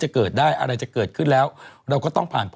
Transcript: เจ็ดเดือนก่อนนี้ยังแค่ลูกกระตานะ